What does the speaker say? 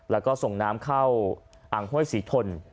แล้วก็ส่งน้ำเข้าอ่างห้วยศรีทน